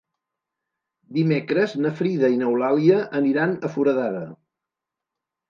Dimecres na Frida i n'Eulàlia aniran a Foradada.